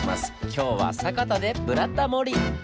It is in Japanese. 今日は酒田で「ブラタモリ」！